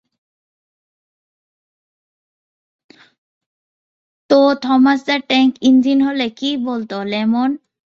তো, Thomas the tank engine হলে কী বলতো, লেমন?